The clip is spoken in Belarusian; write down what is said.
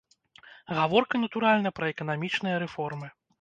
Гаворка, натуральна, пра эканамічныя рэформы.